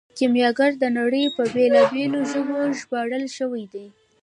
کیمیاګر د نړۍ په بیلابیلو ژبو ژباړل شوی دی.